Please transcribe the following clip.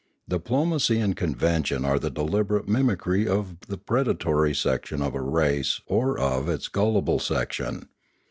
Diplomacy and convention are the deliberate mimicry of the predatory section of a race or of its gullible sec tion.